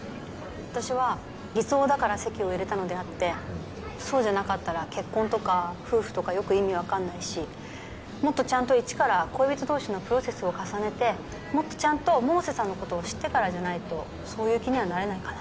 私は偽装だから籍を入れたのであってそうじゃなかったら結婚とか夫婦とかよく意味わかんないしもっとちゃんとイチから恋人同士のプロセスを重ねてもっとちゃんと百瀬さんのことを知ってからじゃないとそういう気にはなれないかな